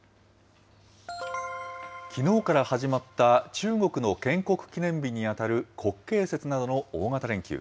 きのうから始まった、中国の建国記念日に当たる国慶節などの大型連休。